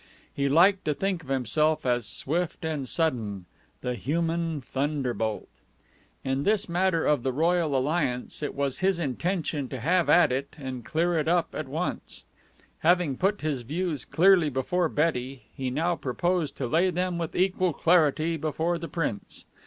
He liked to think of himself as swift and sudden the Human Thunderbolt. In this matter of the royal alliance, it was his intention to have at it and clear it up at once. Having put his views clearly before Betty, he now proposed to lay them with equal clarity before the Prince.